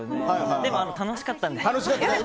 でも楽しかったんで！